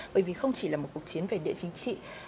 bởi vì không chỉ là một cuộc chiến về địa chính trị